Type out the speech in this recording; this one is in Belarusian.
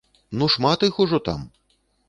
Ну шмат іх ужо там.